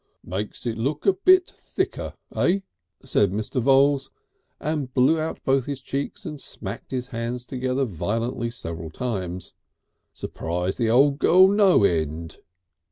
"Makes it look a bit thicker, eh?" said Mr. Voules, and blew out both his cheeks and smacked his hands together violently several times. "Surprise the old girl no end."